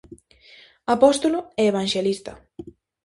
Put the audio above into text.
Apóstolo e evanxelista.